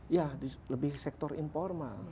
ya lebih sektor informal